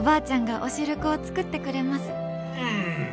うん！